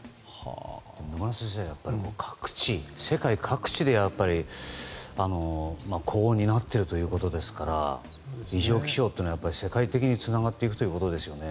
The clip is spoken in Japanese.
野村先生、世界各地で高温になっているということですから異常気象というのは世界的につながっていくということですよね。